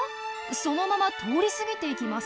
そのまま通り過ぎていきます。